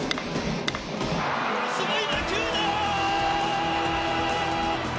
すごい打球だ！